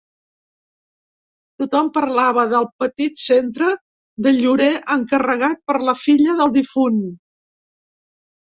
Tothom parlava del petit centre de llorer encarregat per la filla del difunt.